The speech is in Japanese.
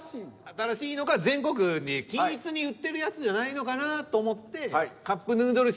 新しいのか全国に均一に売ってるやつじゃないのかなと思って。